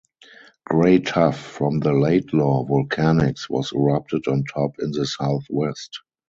Grey tuff from the Laidlaw Volcanics was erupted on top in the south west.